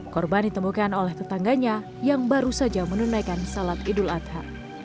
korban ditemukan oleh tetangganya yang baru saja menunaikan salat idul adha